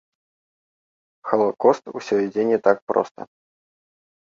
Халакост усё ідзе не так проста.